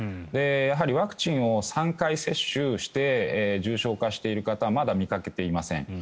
やはりワクチンを３回接種して重症化している方まだ見掛けていません。